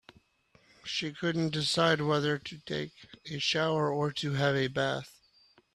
She couldn't decide whether to take a shower or to have a bath.